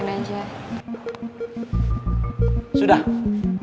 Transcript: masalah juga sudah selesai